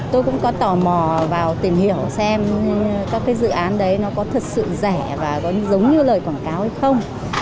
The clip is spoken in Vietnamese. tôi cũng có tò mò vào tìm hiểu xem các cái dự án đấy nó có thật sự rẻ và có giống như lời quảng cáo hay không